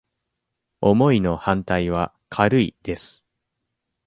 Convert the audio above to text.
「重い」の反対は「軽い」です。